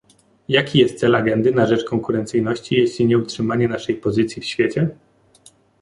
Jaki jest cel agendy na rzecz konkurencyjności, jeśli nie utrzymanie naszej pozycji w świecie?